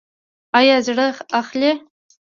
ایا زړه اخلئ؟